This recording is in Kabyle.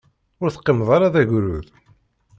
Ur teqqimeḍ ara d agrud.